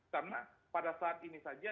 karena pada saat ini saja